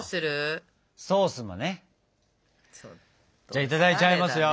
じゃあいただいちゃいますよ。